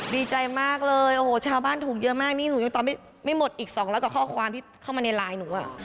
ดีใจมากเลยโอ้โหชาวบ้านถูกเยอะมากนี่สูงอายุตอนไม่หมดอีก๒๐๐กว่าข้อความที่เข้ามาในไลน์หนูอ่ะ